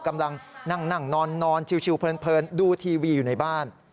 กำลังนั่งนอนชิวเพลินดูทีวีอยู่ในบ้าน